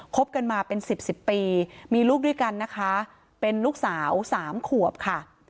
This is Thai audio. บกันมาเป็นสิบสิบปีมีลูกด้วยกันนะคะเป็นลูกสาวสามขวบค่ะ